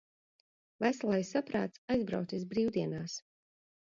Veselais saprāts aizbraucis brīvdienās.